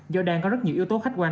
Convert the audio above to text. do đang có rất nhiều yếu tố khách quan